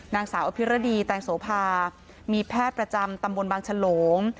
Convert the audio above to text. นางสาวอภิรดีแตงโสภามีแพทย์ประจำตำบลบางฉลง